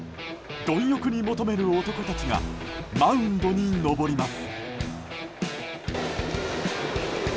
貪欲に求める男たちがマウンドに上ります。